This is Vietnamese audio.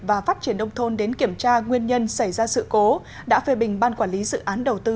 và phát triển đông thôn đến kiểm tra nguyên nhân xảy ra sự cố đã phê bình ban quản lý dự án đầu tư